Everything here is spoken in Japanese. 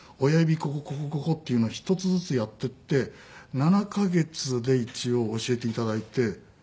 ここここここっていうのを１つずつやっていって７カ月で一応教えて頂いて。